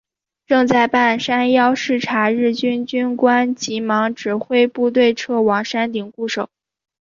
正在半山腰视察的日军军官急忙指挥部队撤往山顶固守。